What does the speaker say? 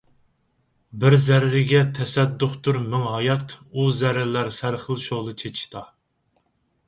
بىر زەررىگە تەسەددۇقتۇر مىڭ ھايات، ئۇ زەررىلەر سەرخىل شولا چېچىشتا ...